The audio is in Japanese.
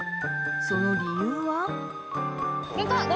その理由は？